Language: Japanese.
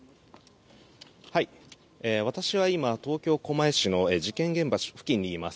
私は今、東京・狛江市の事件現場付近にいます。